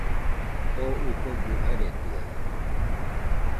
O ɨfogɨ aretɨaɨ